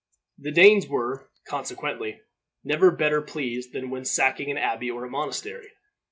The Danes were, consequently, never better pleased than when sacking an abbey or a monastery.